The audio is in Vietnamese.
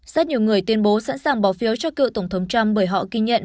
rất nhiều người tuyên bố sẵn sàng bỏ phiếu cho cựu tổng thống trump bởi họ kinh nhận